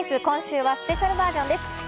今週はスペシャルバージョンです。